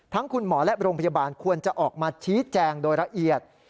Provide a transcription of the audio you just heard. คุณหมอและโรงพยาบาลควรจะออกมาชี้แจงโดยละเอียด